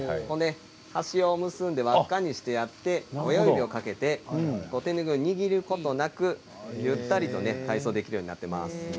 端を結んで、輪っかにして親指をかけて手拭いを握ることなくゆったりと体操できるようになっています。